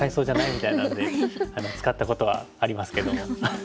みたいなので使ったことはありますけども。